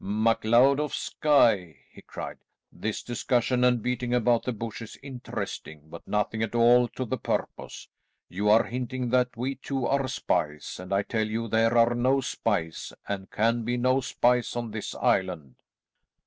"MacLeod of Skye," he cried, "this discussion and beating about the bush is interesting, but nothing at all to the purpose. You are hinting that we two are spies, and I tell you there are no spies, and can be no spies on this island."